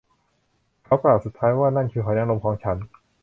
เขากล่าวสุดท้ายว่า นั่นคือหอยนางรมของฉัน